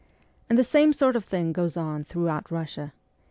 And the same sort of thing goes on throughout Kussia.